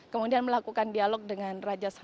kemudian melakukan dialog dengan raja salman